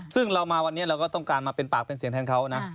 ซึ่งเรามาวันนี้เราก็ต้องการมาเป็นปากเป็นเสียงแทนเขานะ